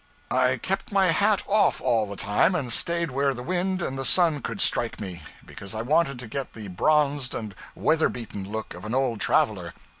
I kept my hat off all the time, and stayed where the wind and the sun could strike me, because I wanted to get the bronzed and weather beaten look of an old traveler.